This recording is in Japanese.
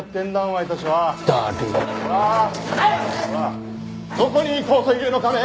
どこに行こうというのかね！？